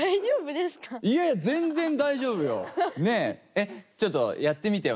えっちょっとやってみてよ。